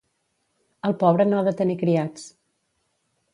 El pobre no ha de tenir criats.